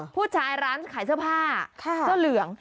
ผู้ชายร้านขายเสื้อผ้าเสื้อเหลือง